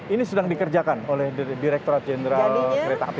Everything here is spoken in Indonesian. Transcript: ini sedang dikerjakan oleh direkturat jenderal kereta api